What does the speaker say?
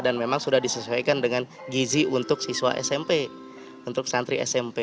dan memang sudah disesuaikan dengan gizi untuk siswa smp untuk santri smp